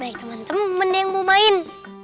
baik teman teman yang mau main